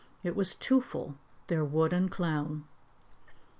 It was Twoffle, their wooden clown.